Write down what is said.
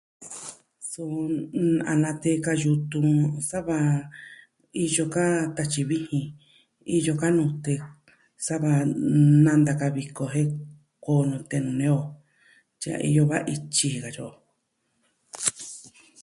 Su mm... a natee ka yutun sava iyo ka tatyi vijin, iyo ka nute sava nnn nanta ka viko jen koo nute nuun nee o tya iyo va ityi jin katyi o.